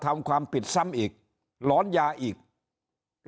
ถ้าท่านผู้ชมติดตามข่าวสาร